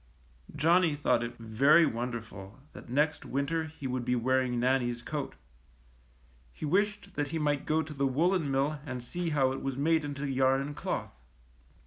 '^ Johnnie thought it very wonderful that next winter he would be wearing Nannie^s coat. He wished that he might go to the woolen mill and see how it was made into yarn and cloth.